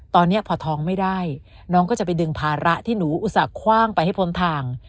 ตอนนี้พอท้องไม่ได้น้องก็จะไปดึงภาระที่หนูอุตส่าหว่างไปให้พ้นทาง